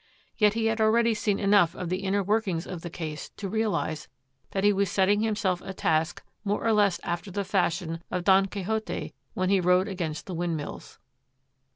Yet he had already seen enough of the inner workings of the case to realise that he was setting himself a task more or less after the fash ion of Don Quixote's when he rode against the wind mills.